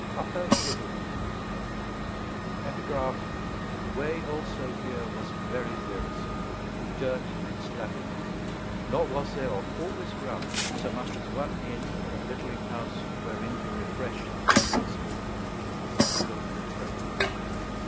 UPPER GÉVAUDAN _The way also here was very wearisome through dirt and slabbiness; nor was there on all this ground so much as one inn or victualling house wherein to refresh the feebler sort._ PILGRIM'S PROGRESS.